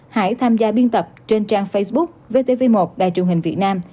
hãy tham gia biên tập trên trang facebook vtv một đài truyền hình việt nam